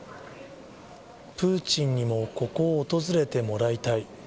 プーチンにもここを訪れてもらいたい。